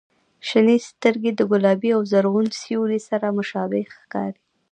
• شنې سترګې د ګلابي او زرغون سیوري سره مشابه ښکاري.